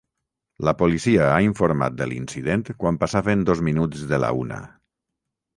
La policia ha informat de l’incident quan passaven dos minuts de la una.